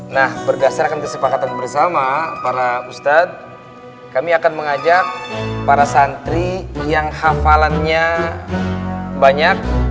nah berdasarkan kesepakatan bersama para ustadz kami akan mengajak para santri yang hafalannya banyak